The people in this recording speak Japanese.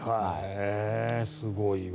すごいわ。